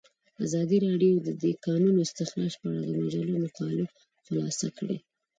ازادي راډیو د د کانونو استخراج په اړه د مجلو مقالو خلاصه کړې.